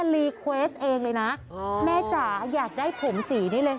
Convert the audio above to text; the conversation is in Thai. ลีเควสเองเลยนะแม่จ๋าอยากได้ผมสีนี้เลย